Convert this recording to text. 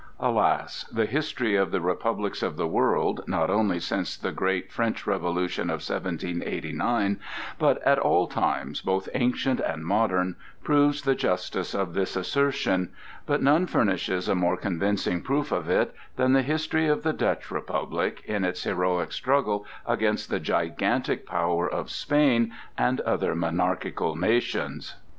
Alas! The history of the republics of the world, not only since the great French Revolution of 1789, but at all times, both ancient and modern, proves the justice of this assertion, but none furnishes a more convincing proof of it than the history of the Dutch Republic in its heroic struggle against the gigantic power of Spain and other monarchical nations.